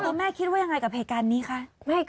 ตัวแม่คิดว่าอย่างไรกับเเผยการนี้คะ